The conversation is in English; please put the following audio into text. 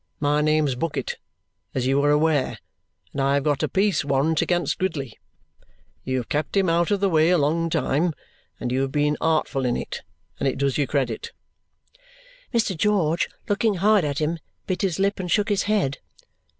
My name's Bucket, as you are aware, and I have got a peace warrant against Gridley. You have kept him out of the way a long time, and you have been artful in it, and it does you credit." Mr. George, looking hard at him, bit his lip and shook his head.